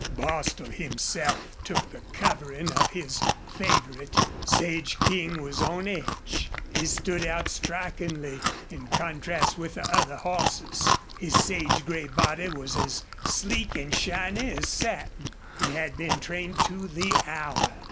Bostil himself took the covering off his favorite. Sage King was on edge. He stood out strikingly in contrast with the other horses. His sage gray body was as sleek and shiny as satin. He had been trained to the hour.